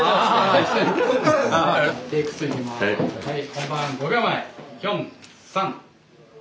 本番５秒前４３。